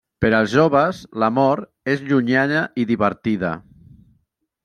Per als joves, la mort és llunyana i divertida.